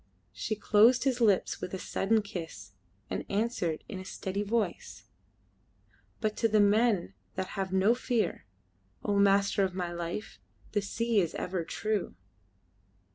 She closed his lips with a sudden kiss, and answered in a steady voice "But to the men that have no fear, O master of my life, the sea is ever true."